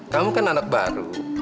kamu kan anak baru